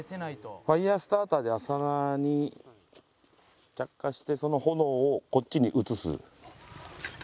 ファイヤースターターで麻側に着火してその炎をこっちに移す。